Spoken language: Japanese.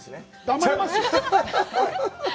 黙りますよ。